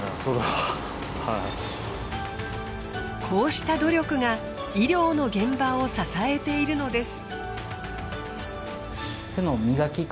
こうした努力が医療の現場を支えているのです。